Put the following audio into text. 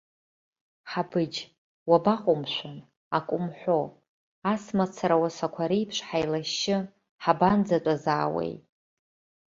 Ҳабыџь, уабаҟоу, мшәан, акы умҳәо, ас мацара ауасақәа реиԥш ҳаилашьшьы ҳабанӡатәазаауеи?